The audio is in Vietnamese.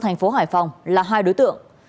tp hải phòng là hai đối tượng